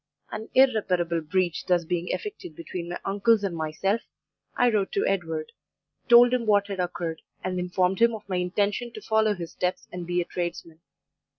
"An irreparable breach thus being effected between my uncles and myself, I wrote to Edward; told him what had occurred, and informed him of my intention to follow his steps and be a tradesman.